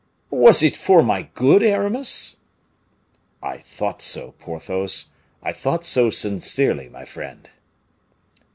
"Was it for my good, Aramis?" "I thought so, Porthos; I thought so sincerely, my friend."